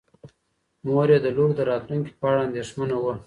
مور یې د لور د راتلونکي په اړه اندېښمنه وه.